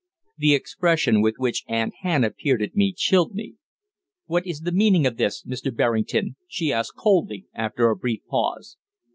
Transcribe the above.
The expression with which Aunt Hannah peered at me chilled me. "What is the meaning of this, Mr. Berrington?" she asked coldly, after a brief pause.